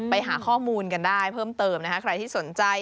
ไปหาข้อมูลกันได้เพิ่มเติมนะคะใครที่สนใจ